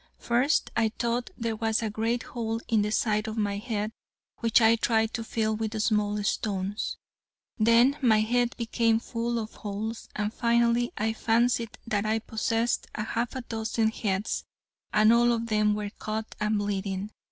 First I thought there was a great hole in the side of my head, which I tried to fill with small stones. Then my head became full of holes, and finally I fancied that I possessed a half dozen heads and all of them were cut and bleeding.